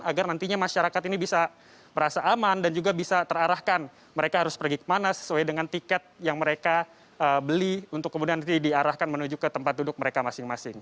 agar nantinya masyarakat ini bisa merasa aman dan juga bisa terarahkan mereka harus pergi kemana sesuai dengan tiket yang mereka beli untuk kemudian diarahkan menuju ke tempat duduk mereka masing masing